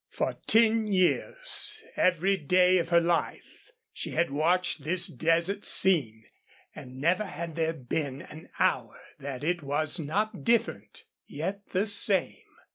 For ten years, every day of her life, she had watched this desert scene, and never had there been an hour that it was not different, yet the same.